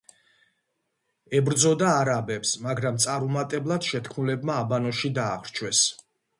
ებრძოდა არაბებს, მაგრამ წარუმატებლად, შეთქმულებმა აბანოში დაახრჩვეს.